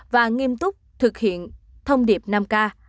và nghiêm túc thực hiện thông điệp năm k